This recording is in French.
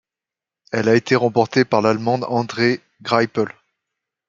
Elle a été remportée par l'Allemand André Greipel.